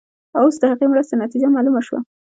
اوس د هغې مرستې نتیجه معلومه شوه.